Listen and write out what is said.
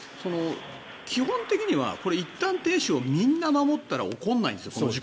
基本的にはこれ、一旦停止をみんな守ったら事故って起こらないんですよ。